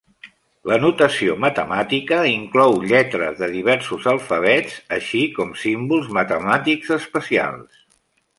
La notació matemàtica inclou lletres de diversos alfabets, així com símbols matemàtics especials.